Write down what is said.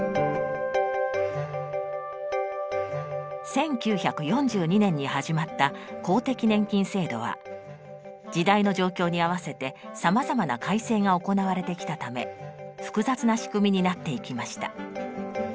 １９４２年に始まった公的年金制度は時代の状況に合わせてさまざまな改正が行われてきたため複雑な仕組みになっていきました。